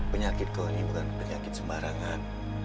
penyakit kau ini bukan penyakit sembarangan